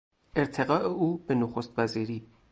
ارتقا او به نخست وزیری